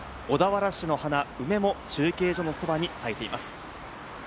小田原市の花、梅も中継所のそばに咲いています。